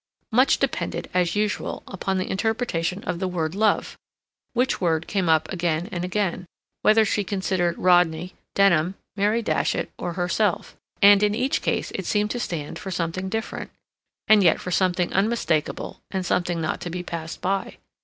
Much depended, as usual, upon the interpretation of the word love; which word came up again and again, whether she considered Rodney, Denham, Mary Datchet, or herself; and in each case it seemed to stand for something different, and yet for something unmistakable and something not to be passed by.